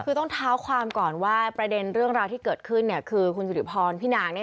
คือต้องเท้าความก่อนว่าประเด็นเรื่องราวที่เกิดขึ้นเนี่ย